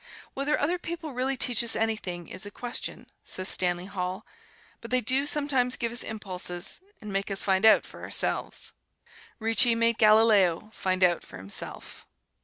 "Whether other people really teach us anything, is a question," says Stanley Hall; "but they do sometimes give us impulses, and make us find out for ourselves." Ricci made Galileo find out for himself.